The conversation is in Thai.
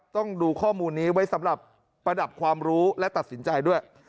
ต้องดูข้อมูลนี้ไว้สำหรับประดับความรู้และตัดสินใจด้วย